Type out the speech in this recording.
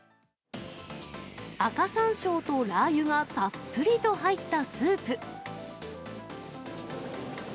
赤さんしょうとラー油がたっぷりと入ったスープ。